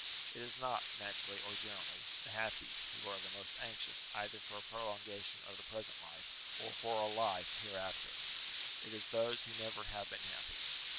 It is not, naturally or generally, the happy who are the most anxious either for a prolongation of the present life, or for a life UTILITY OF RELIGION 119 hereafter : it is those who never have been happy.